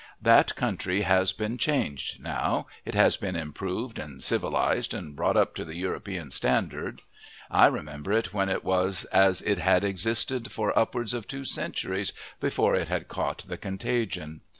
That country has been changed now; it has been improved and civilized and brought up to the European standard; I remember it when it was as it had existed for upwards of two centuries before it had caught the contagion.